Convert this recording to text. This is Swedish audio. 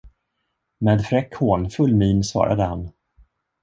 Med fräck, hånfull min svarade han.